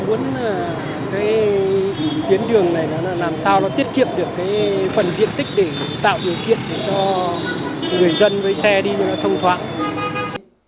cái tuyến đường này là làm sao nó tiết kiệm được cái phần diện tích để tạo điều kiện để cho người dân với xe đi thông thoáng